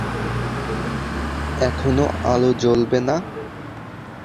এখনো আলো জ্বালবে না?